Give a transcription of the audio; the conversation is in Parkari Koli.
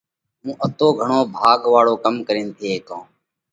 هُون اتو گھڻو ڀاڳ واۯو ڪم ڪرينَ ٿي هيڪونه؟